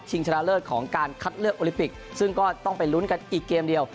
ชนะเลิศของการคัดเลือกโอลิปิกซึ่งก็ต้องไปลุ้นกันอีกเกมเดียว